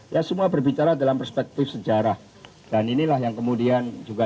ya semua berbicara dalam perspektif sejarah dan inilah yang kemudian juga